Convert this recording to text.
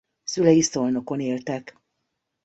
Szülei Szolnokon éltek.